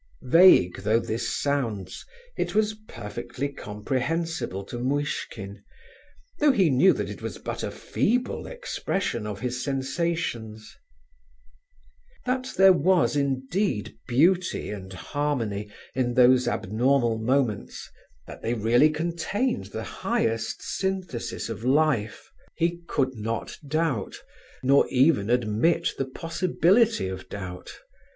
Vague though this sounds, it was perfectly comprehensible to Muishkin, though he knew that it was but a feeble expression of his sensations. That there was, indeed, beauty and harmony in those abnormal moments, that they really contained the highest synthesis of life, he could not doubt, nor even admit the possibility of doubt.